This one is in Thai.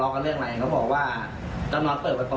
เขาบอกว่าเจ้าน้อยเปิดประตู